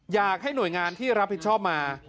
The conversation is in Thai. อยากให้หน่วยงานที่รับผิดชอบมา